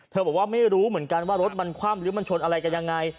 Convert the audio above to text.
บอกว่าไม่รู้เหมือนกันว่ารถมันคว่ำหรือมันชนอะไรกันยังไง